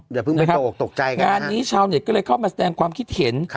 เดี๋ยวพึ่งไปโตกใจกันนะฮะงานนี้ชาวเนี่ยก็เลยเข้ามาแสดงความคิดเห็น